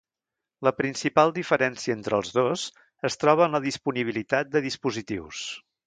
La principal diferència entre els dos es troba en la disponibilitat de dispositius.